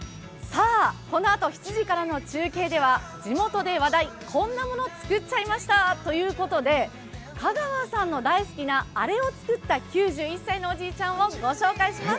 このあと７時からの中継では「地元で話題！こんなのつくっちゃいました」ということで香川さんの大好きなあれをつくった９１歳のおじいちゃんを紹介します。